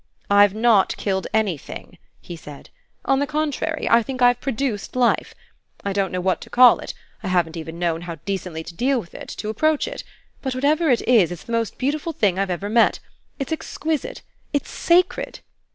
"I've not killed anything," he said; "on the contrary I think I've produced life. I don't know what to call it I haven't even known how decently to deal with it, to approach it; but, whatever it is, it's the most beautiful thing I've ever met it's exquisite, it's sacred."